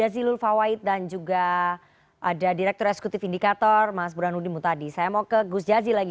saya mau ke gus jazil lagi